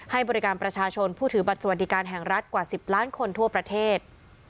ให้บริการประชาชนผู้ถือบัตรสวัสดิการแห่งรัฐกว่า๑๐ล้านคนทั่วประเทศ